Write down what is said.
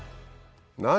何